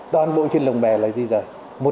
toàn bộ trên lồng bè là gì rồi